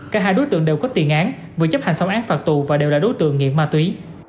cả hai đối tượng đều có tiền án vừa chấp hành xong án phạt tù và đều là đối tượng nghiện ma túy